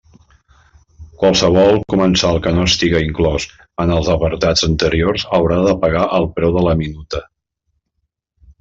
Qualsevol comensal que no estiga inclòs en els apartats anteriors haurà de pagar el preu de la minuta.